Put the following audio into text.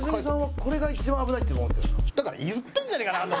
だから言ってんじゃねえか何度も！